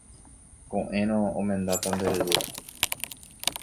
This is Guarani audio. Ko'ẽrõ omendáta che ryvy.